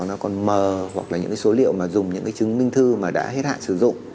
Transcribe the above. nó còn mờ hoặc là những cái số liệu mà dùng những cái chứng minh thư mà đã hết hạn sử dụng